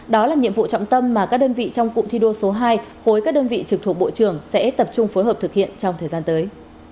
đó là nhiệm vụ trọng tâm mà các đơn vị trong cụm thi đua số hai khối các đơn vị trực thuộc bộ trưởng sẽ tập trung phối hợp thực hiện trong thời gian tới